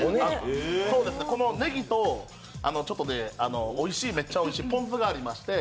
このねぎとおいしいめっちゃおいしいポン酢がありまして。